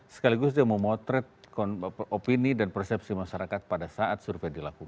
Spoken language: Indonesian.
sekaligus dia memotret opini dan persepsi masyarakat pada saat survei dilakukan